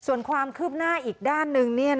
ส่วนความคืบหน้าอีกด้านหนึ่ง